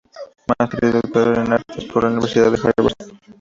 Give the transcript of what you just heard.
Master y Doctor en Artes por la Universidad de Harvard.